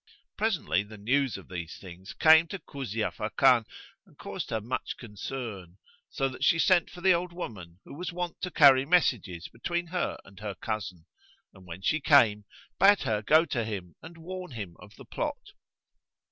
Presently, the news of these things came to Kuzia Fakan and caused her much concern; so that she sent for the old woman who was wont to carry messages between her and her cousin, and when she came, bade her go to him and warn him of the plot.